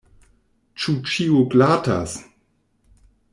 Ĉu ĉio glatas?